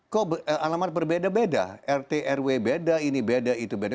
kok alamat berbeda beda rt rw beda ini beda itu beda